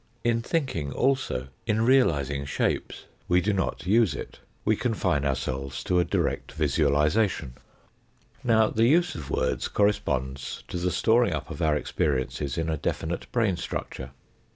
In thinking also, in realising shapes, we do not use it ; we confine ourselves to a direct visualisation. Now, the use of words corresponds to the storing up of our experience in a definite brain structure.